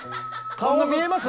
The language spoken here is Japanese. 顔が見えます？